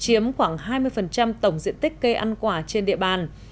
chiếm khoảng hai mươi tổng diện tích cây ăn quả trên địa bàn